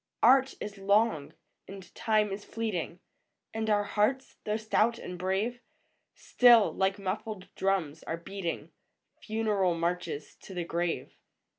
Art is long, and Time is fleeting, And our hearts, though stout and brave, Still, like muffled drums, are beating Funeral marches to the grave.